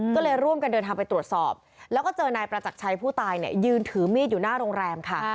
ก็เลยร่วมกันเดินทางไปตรวจสอบแล้วก็เจอนายประจักรชัยผู้ตายเนี่ยยืนถือมีดอยู่หน้าโรงแรมค่ะ